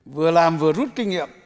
vừa làm vừa rút kinh nghiệm